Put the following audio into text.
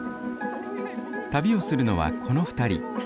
旅をするのはこの２人。